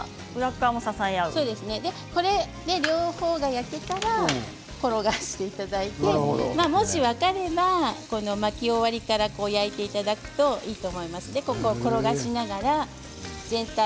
これで両方が焼けたら転がしていただいてもし分かれば巻き終わりから焼いていただくといいと思います。